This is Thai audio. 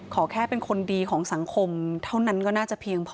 ขอแค่เป็นคนดีของสังคมเท่านั้นก็น่าจะเพียงพอ